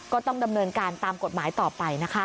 ก็ต้องดำเนินการตามกฎหมายต่อไปนะคะ